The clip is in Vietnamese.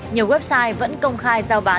nhiều website vẫn công khai giao bán